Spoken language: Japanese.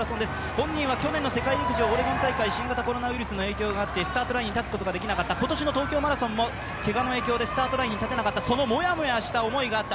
本人は去年の世界陸上オレゴン大会新型コロナウイルスの影響があってスタートラインに立つことができなかった、今年の東京マラソンもけがの影響があってスタートラインに立てなかった、そのもやもやした思いがあった。